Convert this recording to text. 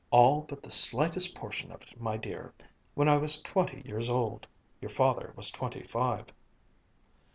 "All but the slightest portion of it, my dear when I was twenty years old. Your father was twenty five."